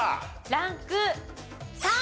ランク３。